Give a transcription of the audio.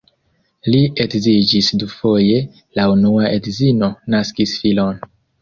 Li edziĝis dufoje, la unua edzino naskis filon.